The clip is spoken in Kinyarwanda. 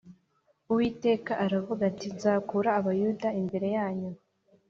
Uwiteka aravuga ati Nzakura Abayuda imbere ya nyu